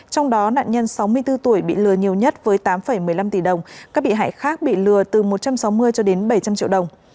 trong đó nạn nhân sáu mươi bốn tuổi bị lừa nhiều nhất với tám một mươi năm tỷ đồng các bị hại khác bị lừa từ một trăm sáu mươi cho đến bảy trăm linh triệu đồng